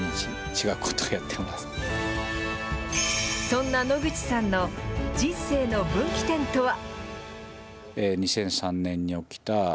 そんな野口さんの人生の分岐点とは。